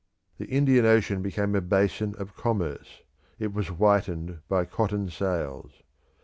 The Indian Ocean became a basin of commerce; it was whitened by cotton sails.